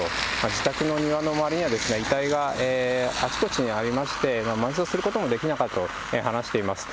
自宅の庭の周りには遺体があちこちにありまして、埋葬することもできなかったと、話していました。